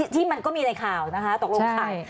ที่มันก็มีในข่าวนะคะตกลงข่าว